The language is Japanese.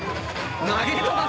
投げ飛ばす！